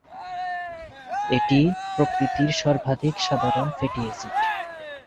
এটি প্রকৃতির সর্বাধিক সাধারণ ফ্যাটি এসিড।